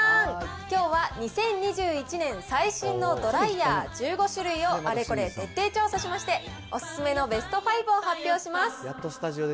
きょうは２０２１年最新のドライヤー１５種類をあれこれ徹底調査しまして、お勧めのベスト５を発表します。